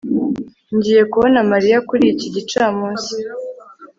ngiye kubona mariya kuri iki gicamunsi